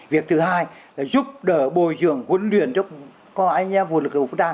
việc thứ hai là giúp đỡ bồi dưỡng huấn luyện cho quân lực vũ trang